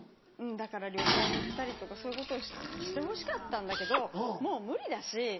だから旅行に行ったりとかそういうことをしてほしかったんだけどもう無理だし。